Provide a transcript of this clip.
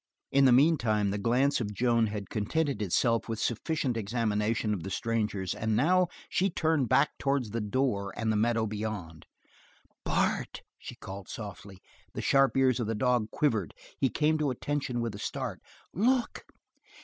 In the meantime the glance of Joan had cloyed itself with sufficient examination of the strangers, and now she turned back towards the door and the meadow beyond. "Bart!" she called softly. The sharp ears of the dog quivered; he came to attention with a start. "Look!